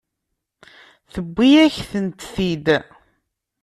Tewwi-yakent-t-id.